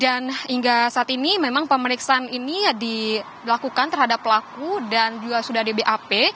dan hingga saat ini memang pemeriksaan ini dilakukan terhadap pelaku dan juga sudah dbap